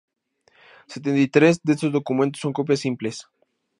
Setenta y tres de estos documentos son copias simples.